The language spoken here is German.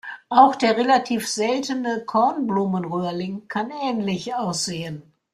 Auch der relativ seltene Kornblumen-Röhrling kann ähnlich aussehen.